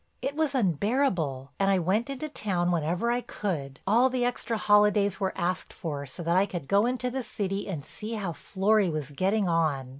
It was unbearable, and I went into town whenever I could; all the extra holidays were asked for so that I could go into the city and see how Florry was getting on.